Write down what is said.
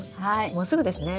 もうすぐですね。